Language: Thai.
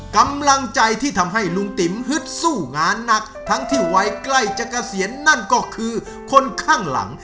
กำลังใจที่ทำให้ลุงติ๋มฮึดสู้งานหนักทั้งที่วัยใกล้จะเกษียณนั่นก็คือคนข้างหลัง